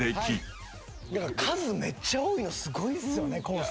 数めっちゃ多いのすごいですよね昴生。